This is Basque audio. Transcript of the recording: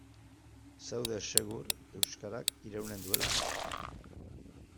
Zaude segur euskarak iraunen duela.